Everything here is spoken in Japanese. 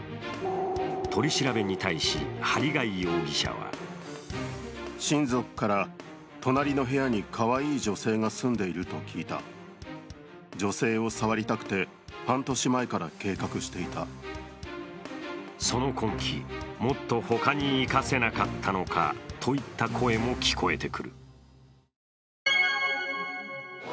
取り調べに対し針谷容疑者はその根気、もっと他に生かせなかったのかといった声も聞こえてくる。